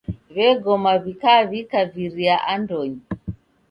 W'egoma w'ikaw'ika viria andonyi.